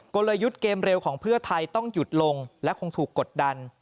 กลยุทธ์เกมเร็วของเพื่อไทยต้องหยุดลงและคงถูกกดดัน